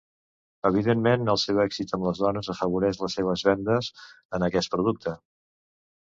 Evidentment, el seu èxit amb les dones afavoreix les seves vendes en aquest producte.